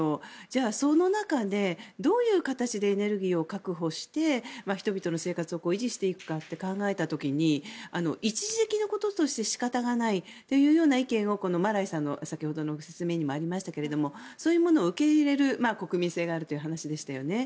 その中で、どういう形でエネルギーを確保して人々の生活を維持していくかと考えた時に一時的なこととして仕方がないというような意見をマライさんの先ほどの説明にもありましたがそういうものを受け入れる国民性があるというお話でしたよね。